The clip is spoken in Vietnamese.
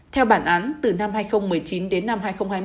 theo bản án từ năm hai nghìn một mươi chín đến năm hai nghìn hai mươi một